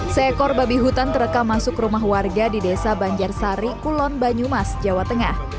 seekor babi hutan terekam masuk rumah warga di desa banjarsari kulon banyumas jawa tengah